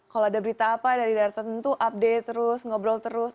kalau ada berita apa dari daerah tertentu update terus ngobrol terus